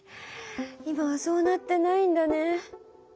今はそうなってないんだね。